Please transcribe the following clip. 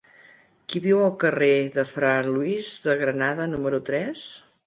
Qui viu al carrer de Fra Luis de Granada número tres?